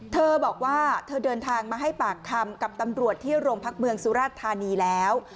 เธอบอกว่าเธอเดินทางมาให้ปากคำกับตำรวจที่โรงพักเมืองสุราชธานีแล้ว